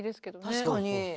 確かに。